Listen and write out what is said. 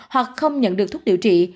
hoặc không nhận được thuốc điều trị